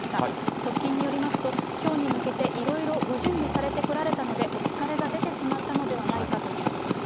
側近によりますと、きょうに向けて、いろいろご準備されてこられたので、お疲れが出てしまったのではないかということです。